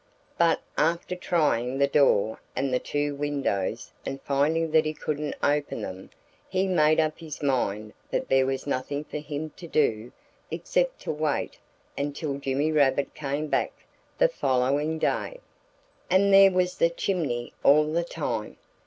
But after trying the door and the two windows and finding that he couldn't open them he made up his mind that there was nothing for him to do except to wait until Jimmy Rabbit came back the following day. And there was the chimney all the time!